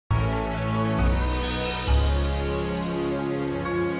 jangan lupa like share dan subscribe ya